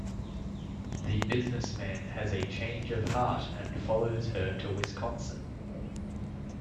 The businessman has a change of heart and follows her to Wisconsin.